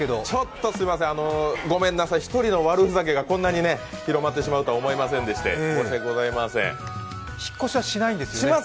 ちょっとすいませんごめんなさい、１人の悪ふざけがこんなに広まってしまうとは思いませんでして引っ越しはしないんですよね？